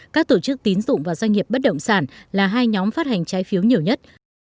các tổ chức tín dụng và doanh nghiệp bất động sản là hai nhóm phát hành trái phiếu nhiều nhất